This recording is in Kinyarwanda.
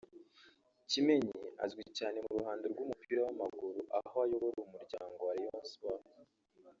Kimenyi azwi cyane mu ruhando rw’umupira w’amaguru aho ayobora Umuryango wa Rayon Sports